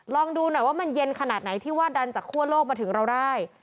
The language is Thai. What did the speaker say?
ลองดูหน่อยว่ามันเย็นขนาดไหนที่ว่าดันจากคั่วโลกมาถึงเราได้